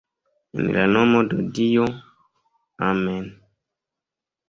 En la nomo de Dio, Amen'.